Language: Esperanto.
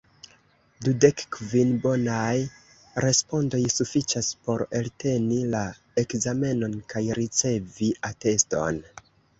Dudekkvin bonaj respondoj sufiĉas, por elteni la ekzamenon kaj ricevi ateston.